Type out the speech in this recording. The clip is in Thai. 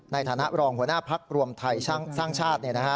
ในฐานะรองหัวหน้าพักรวมไทยสร้างชาติ